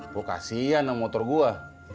gue kasian sama motor gue